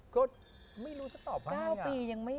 ก็ไม่รู้จะตอบว่าไง